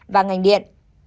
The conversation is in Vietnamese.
và ngành điện